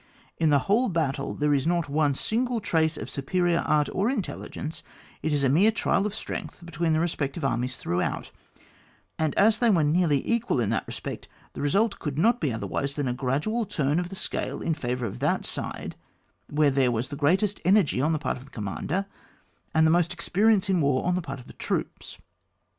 In the whole battle there is not one single trace of superior art or intelligence, it is a mere trial of strength between the respective armies throughout; and as they were nearly equal in that respect, the result could not be otherwise than a gradual turn of the scale in favour of that side where there was the greatest energy on the part of the commander, and the most experience in war on the part of the troops.